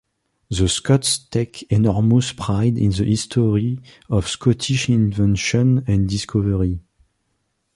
The Scots take enormous pride in the history of Scottish invention and discovery.